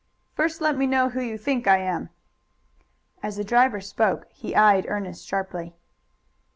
"First let me know who you think I am." As the driver spoke he eyed Ernest sharply.